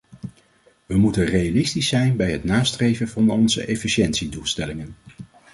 We moeten realistisch zijn bij het nastreven van onze efficiëntiedoelstellingen.